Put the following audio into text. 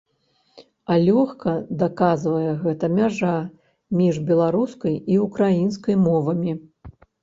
А лёгка даказвае гэта мяжа між беларускай і ўкраінскай мовамі.